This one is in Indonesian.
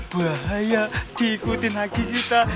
bahaya diikutin lagi kita